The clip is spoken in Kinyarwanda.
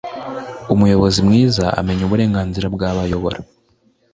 umuyobozi mwiza amenya uburenganzira bw'abo ayobora